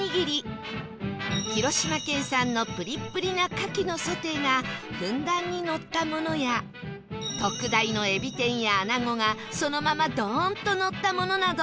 広島県産のプリップリな牡蠣のソテーがふんだんにのったものや特大のえび天や穴子がそのままドーンとのったものなど